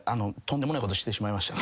とんでもないことしてしまいました。